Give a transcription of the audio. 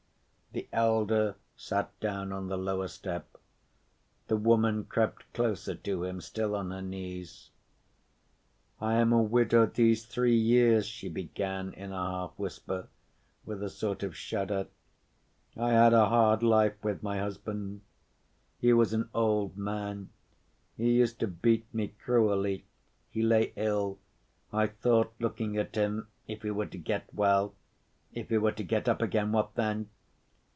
The elder sat down on the lower step. The woman crept closer to him, still on her knees. "I am a widow these three years," she began in a half‐whisper, with a sort of shudder. "I had a hard life with my husband. He was an old man. He used to beat me cruelly. He lay ill; I thought looking at him, if he were to get well, if he were to get up again, what then?